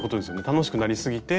楽しくなりすぎて。